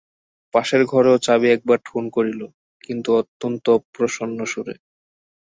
পাশের ঘরেও চাবি একবার ঠুন করিল, কিন্তু অত্যন্ত অপ্রসন্ন সুরে।